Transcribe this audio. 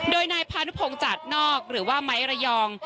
โดยนายพานุพงศ์จัดนอกหรือว่าไม้ระยอง